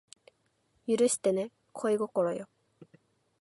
許してね恋心よ